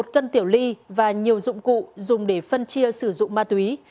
một cân tiểu ly và nhiều dụng cụ dùng để phân chia sử dụng ma túy